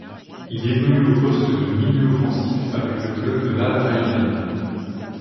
Il évolue au poste de milieu offensif avec le club de l'Al-Rayyan.